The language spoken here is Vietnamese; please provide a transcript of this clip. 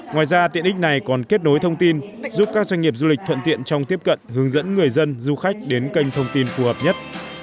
ngoài ra tiện ích này còn kết nối thông tin giúp các doanh nghiệp du lịch thuận tiện trong tiếp cận hướng dẫn người dân du khách đến kênh thông tin phù hợp nhất